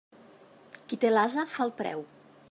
Qui té l'ase fa el preu.